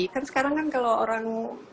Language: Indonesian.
kan sekarang kan kalau orang